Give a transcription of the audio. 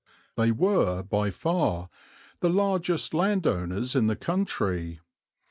They were by far the largest landowners in the country.